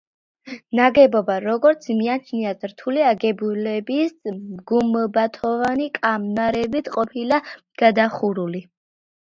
ნაგებობა, როგორც მიაჩნიათ რთული აგებულების გუმბათოვანი კამარებით ყოფილა გადახურული.